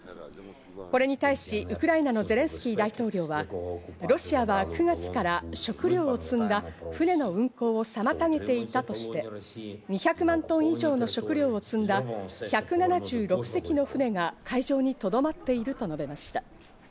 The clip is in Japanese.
これに対し、ウクライナのゼレンスキー大統領は、ロシアは９月から食料を積んだ船の運航を妨げていたとして、２００万トン以上の食料を積んだ１７６隻の船が海上にとどまっていると述べました。